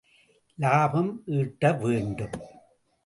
இலாபம் ஈட்ட வேண்டும்.